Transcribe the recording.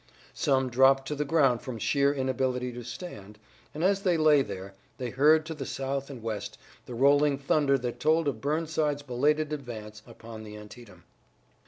Some dropped to the ground from sheer inability to stand, and as they lay there, they heard to the south and west the rolling thunder that told of Burnside's belated advance upon the Antietam.